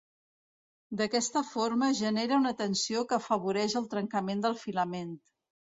D'aquesta forma genera una tensió que afavoreix el trencament del filament.